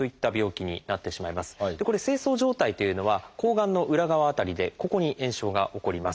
これ精巣上体というのはこうがんの裏側辺りでここに炎症が起こります。